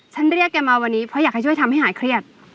เรียกแกมาวันนี้เพราะอยากให้ช่วยทำให้หายเครียด